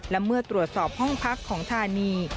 และเมื่อตรวจสอบห้องพักของธานี